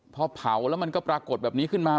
พอเผาแล้วมันก็ปรากฏแบบนี้ขึ้นมา